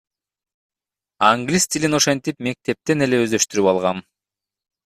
Англис тилин ошентип мектептен эле өздөштүрүп алгам.